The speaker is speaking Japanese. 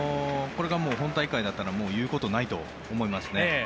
これが本大会だったら言うことないと思います。